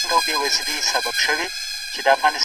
انسان د خپل مذهب په ټاکلو کي آزاد دی.